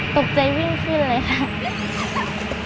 ตกใจวิ่งขึ้นเลยค่ะ